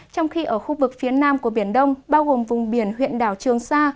trong khi ở khu vực phía nam của biển đông bao gồm vùng biển huyện đảo trường sa